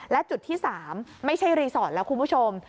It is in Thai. และจุดที่๓ไม่ใช่รีสอร์ทแล้วคุณผู้ชม